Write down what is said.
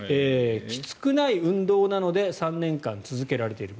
きつくない運動なので３年間続けられている。